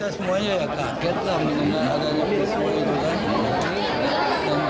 semuanya ya kaget lah mengenal adanya semua itu kan